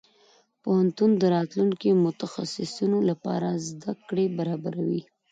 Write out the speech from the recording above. پوهنتون د راتلونکي متخصصينو لپاره زده کړې برابروي.